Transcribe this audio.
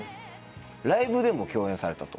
ライブでも共演されたと。